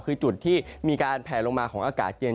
คือจุดที่มีการแผลลงมาของอากาศเย็น